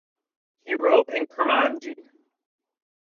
He wrote in Kurmanji.